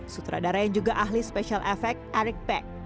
sutradara yang juga ahli special effect eric peck